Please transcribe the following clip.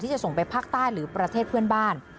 จะส่งไปภาคใต้หรือประเทศเพื่อนบ้าน